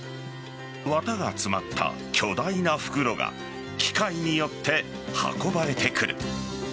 綿が詰まった巨大な袋が機械によって運ばれてくる。